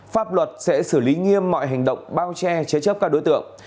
pháp luật sẽ xử lý nghiêm mọi hành động bao che chế chấp các đối tượng